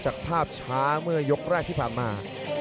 จากภาพช้าเมื่อยกแรกที่ผ่านมา